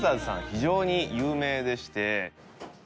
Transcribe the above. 非常に有名でして。